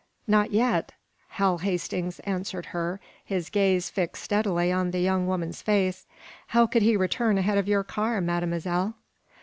"Not yet," Hal Hastings answered her, his gaze fixed steadily on the young woman's face. "How could he return ahead of your car, Mademoiselle?"